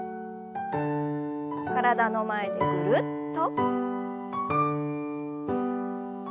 体の前でぐるっと。